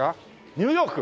ニューヨーク？